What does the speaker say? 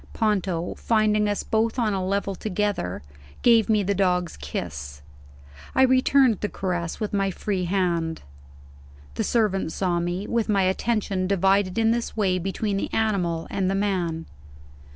Ponto, finding us both on a level together, gave me the dog's kiss; I returned the caress with my free hand. The servant saw me, with my attention divided in this way between the animal and the man.